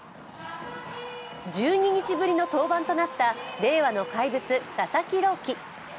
１２日ぶりの登板となった令和の怪物・佐々木朗希。